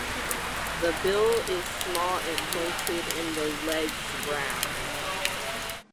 The bill is small and pointed and the legs brown.